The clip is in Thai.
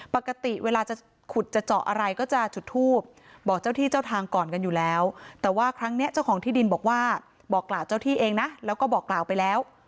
ปกติเวลาจะขุดจะเจาะอะไรก็จะจุดทูบบอกเจ้าที่เจ้าทางก่อนกันอยู่แล้วแต่ว่าครั้งนี้เจ้าของที่ดินบอกว่าบอกกล่าวเจ้าที่เองนะแล้วก็บอกกล่าวไปแล้ว